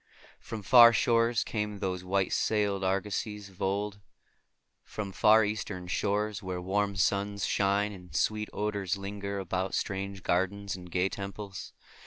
From far shores came those white sailed argosies of old; from far Eastern shores where warm suns shine and sweet odors linger about strange gardens and gay temples.